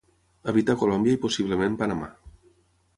Habita a Colòmbia i possiblement Panamà.